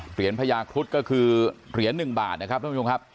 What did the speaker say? เหรียญพญาครุฑก็คือเหรียญหนึ่งบาทนะครับท่านผู้ชมครับ